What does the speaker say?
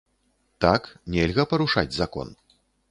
Так, нельга парушаць закон.